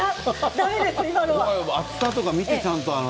だめです、今のは。